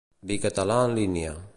Vi català en línia.